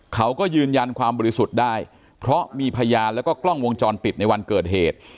เขาก็ยืนยันความบริสุทธิ์ได้เพราะมีพยานแล้วก็กล้องวงจรปิดในวันเกิดเหตุ